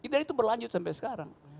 dan itu berlanjut sampai sekarang